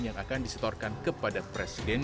yang akan disetorkan kepada presiden